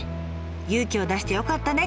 勇気を出してよかったね